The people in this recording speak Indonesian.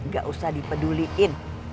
gak usah dipeduliin